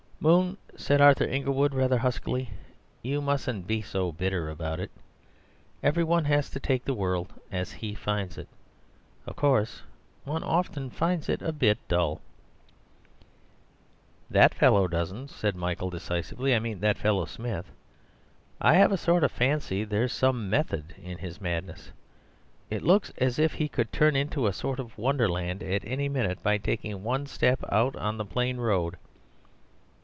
"Moon," said Arthur Inglewood, rather huskily, "you mustn't be so bitter about it. Everyone has to take the world as he finds it; of course one often finds it a bit dull—" "That fellow doesn't," said Michael decisively; "I mean that fellow Smith. I have a fancy there's some method in his madness. It looks as if he could turn into a sort of wonderland any minute by taking one step out of the plain road.